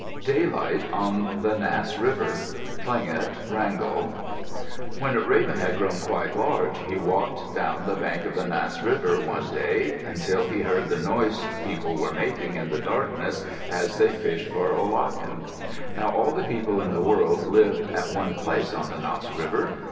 DAYLIGHT ON THE NASS RIVER Tlingit (Wrangell) When Raven had grown quite large he walked down the bank of the Nass River one day, until he heard the noise people were making in the darkness as they fished for olachen. Now all the people in the world lived at one place on the Nass River.